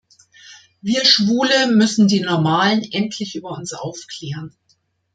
Wir Schwule müssen die ›Normalen‹ endlich über uns aufklären.